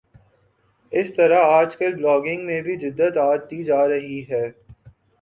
اسی طرح آج کل بلاگنگ میں بھی جدت آتی جا رہی ہے